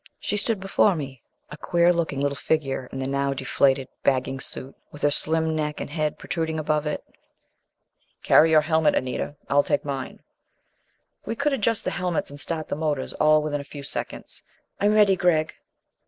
She stood before me, a queer looking little figure in the now deflated, bagging suit with her slim neck and head protruding above it. "Carry your helmet, Anita. Ill take mine." We could adjust the helmets and start the motors all within a few seconds. "I'm ready, Gregg."